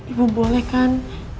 ibu boleh kan